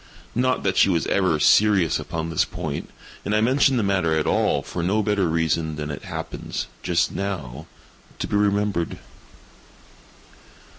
Not that she was ever serious upon this point—and I mention the matter at all for no better reason than that it happens, just now, to be remembered.